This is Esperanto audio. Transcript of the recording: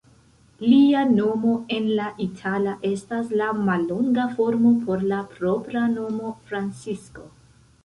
Lia nomo en la itala estas la mallonga formo por la propra nomo Francisco.